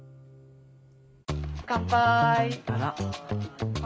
乾杯。